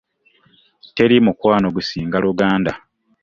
Teri mukwano gusinga luganda.